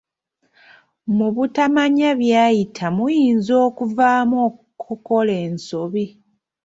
Mu butamanya byayita muyinza okuvaamu okukola ensobi.